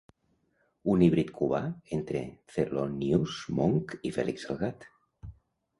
Un híbrid cubà entre Thelonious Monk i Fèlix el gat.